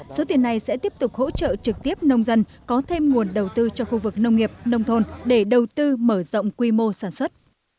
số tiền này sẽ tiếp tục hỗ trợ trực tiếp nông dân có thêm nguồn đầu tư cho khu vực nông nghiệp nông thôn để đầu tư mở rộng quy mô sản xuất